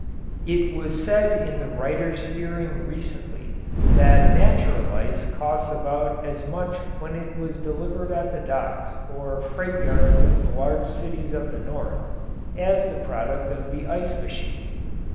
It was said in the writer's hearing recently that natural ice costs about as much when it was delivered at the docks or freight yards of the large cities of the North as the product of the ice machine.